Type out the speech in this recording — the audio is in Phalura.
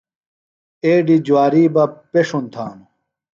ایڈی جواری بہ پݜُن تھانو۔